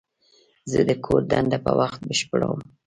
زه د کور دنده په وخت بشپړوم.